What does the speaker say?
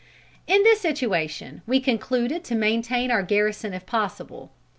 "In this situation we concluded to maintain our garrison if possible.